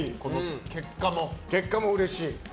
結果もうれしい。